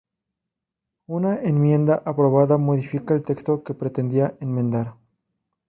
Una enmienda aprobada modifica el texto que pretendía enmendar.